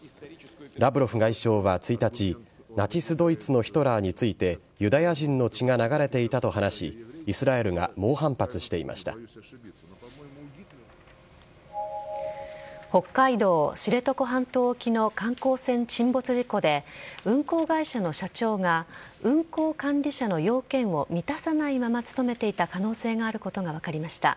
ラブロフ外相は１日ナチス・ドイツのヒトラーについてユダヤ人の血が流れていたと話し北海道知床半島沖の観光船沈没事故で運航会社の社長が運航管理者の要件を満たさないまま勤めていた可能性があることが分かりました。